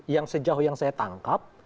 yang sejauh yang saya tangkap